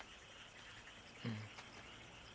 うん。